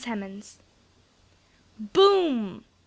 HEMANS. "BOOM!"